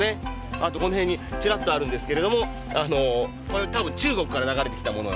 あとこの辺にちらっとあるんですけれどもこれ多分中国から流れてきたものなんですよね。